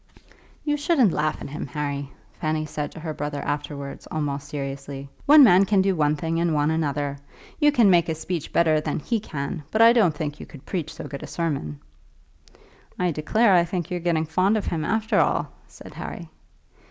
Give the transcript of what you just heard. "You shouldn't laugh at him, Harry," Fanny said to her brother afterwards, almost seriously. "One man can do one thing and one another. You can make a speech better than he can, but I don't think you could preach so good a sermon." "I declare I think you're getting fond of him after all," said Harry.